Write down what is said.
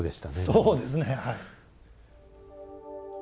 そうですねはい。